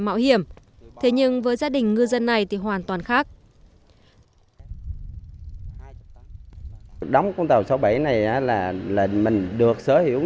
mạo hiểm thế nhưng với gia đình ngư dân này thì hoàn toàn khác